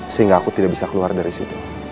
sehingga aku tidak bisa keluar dari situ